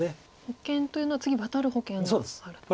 保険というのは次ワタる保険があると。